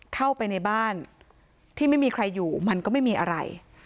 เข้าไปในบ้านที่ไม่มีใครอยู่มันก็ไม่มีอะไร